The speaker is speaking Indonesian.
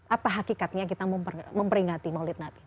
apa hakikatnya kita memperingati maulid nabi